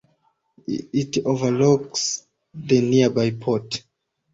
It overlooks the nearby port.